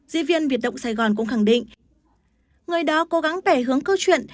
diễn viên biết động sài gòn cũng khẳng định người đó cố gắng bẻ hướng câu chuyện